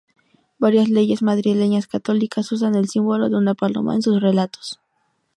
Varias leyendas madrileñas católicas usan el símbolo de una paloma en sus relatos.